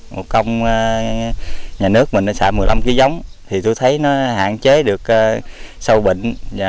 một công nhà nước mình xài một mươi năm kg giống thì tôi thấy nó hạn chế được sâu bệnh